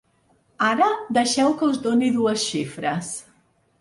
Ara deixeu que us doni dues xifres.